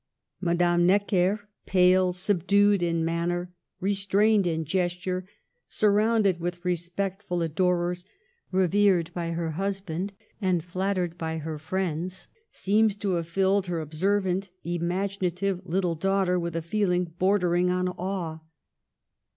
Madame Necker, pale, subdued in manner, restrained in gesture, surrounded with respectful adorers, revered by her husband, and flattered by her friends, seems \to have filled her observant, imaginative little daughter with a feeling bordering on awe.